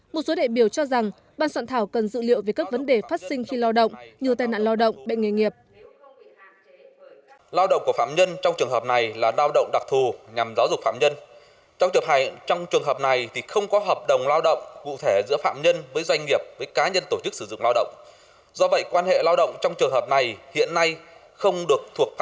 một số đại biểu cho rằng ban soạn thảo cần dự liệu về các vấn đề phát sinh khi lao động như tai nạn lao động bệnh nghề nghiệp